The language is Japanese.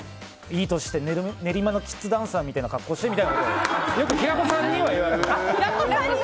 いい年して、練馬のキッズダンサーみたいな格好してみたいなことを平子さんに言われます。